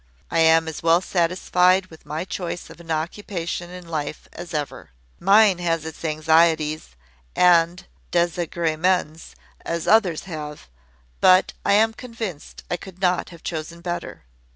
I am as well satisfied with my choice of an occupation in life as ever. Mine has its anxieties, and desagremens, as others have: but I am convinced I could not have chosen better.